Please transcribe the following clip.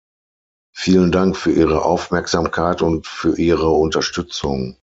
Vielen Dank für Ihre Aufmerksamkeit und für Ihre Unterstützung.